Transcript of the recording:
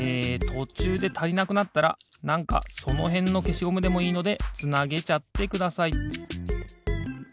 とちゅうでたりなくなったらなんかそのへんのけしゴムでもいいのでつなげちゃってください。